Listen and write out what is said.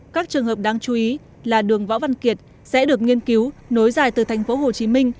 các trường hợp đáng chú ý là đường võ văn kiệt sẽ được nghiên cứu nối dài từ thành phố hồ chí minh